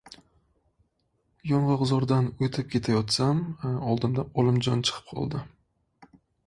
Yong‘oqzordan o‘tib ketayotsam, oldimdan Olimjon chiqib qoldi.